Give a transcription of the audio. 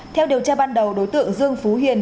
theo điều tra ban đầu đối tượng dương phú hiền